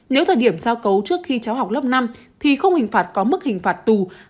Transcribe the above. nếu thời điểm giao cấu trước khi cháu học lớp năm thì không hình phạt có mức hình phạt tù